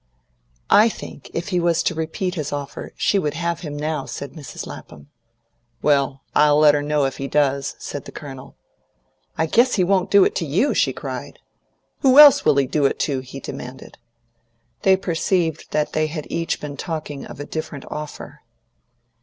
"I think, if he was to repeat his offer, she would have him now," said Mrs. Lapham. "Well, I'll let her know if he does," said the Colonel. "I guess he won't do it to you!" she cried. "Who else will he do it to?" he demanded. They perceived that they had each been talking of a different offer.